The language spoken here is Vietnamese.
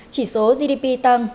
chỉ số gdp tăng